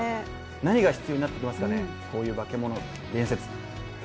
何が必要になってきますかね、こういう化け物、伝説。